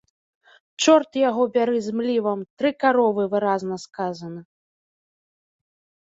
Чорт яго бяры з млівам, тры каровы, выразна сказана.